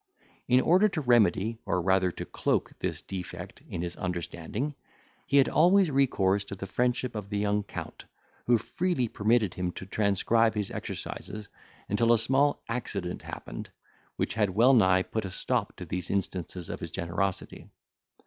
In order to remedy, or rather to cloak this defect in his understanding, he had always recourse to the friendship of the young Count, who freely permitted him to transcribe his exercises, until a small accident happened, which had well nigh put a stop to these instances of his generosity.